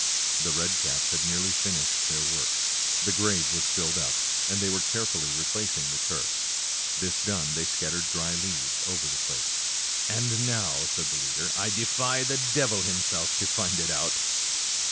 The red caps had nearly finished their work, the grave was filled up, and they were carefully replacing the turf. This done they scattered dry leaves over the place. " And now," said the leader, " I defy the devil himself to find it out."